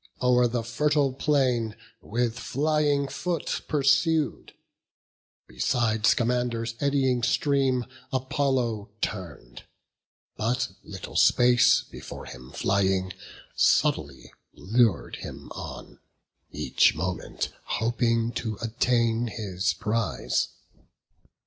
He o'er the fertile plain with flying foot Pursu'd; beside Scamander's eddying stream Apollo turn'd, and still but little space Before him flying, subtly lur'd him on, Each moment hoping to attain his prize.